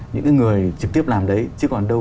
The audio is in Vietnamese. những người trực tiếp làm đấy chứ còn đâu